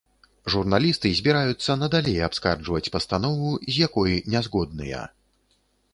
Журналісты збіраюцца надалей абскарджваць пастанову, з якой не згодныя.